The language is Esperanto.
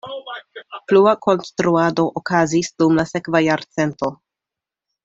Plua konstruado okazis dum la sekva jarcento.